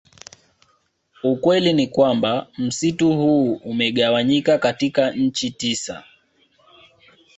Ukweli ni kwamba msitu huu umegawanyika katika nchi tisa